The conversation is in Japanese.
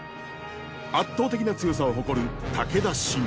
圧倒的な強さを誇る武田信玄。